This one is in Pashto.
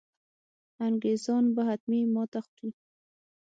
انګرېزان به حتمي ماته خوري.